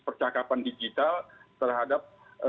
percakapan digital terhadap